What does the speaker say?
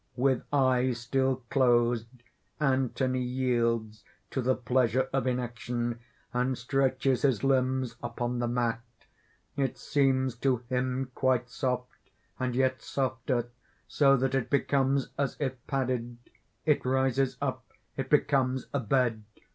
_ With eyes still closed, Anthony yields to the pleasure of inaction; and stretches his limbs upon the mat. _It seems to him quite soft, and yet softer so that it becomes as if padded; it rises up; it becomes a bed.